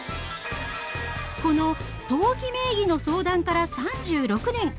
この「登記名義」の相談から３６年。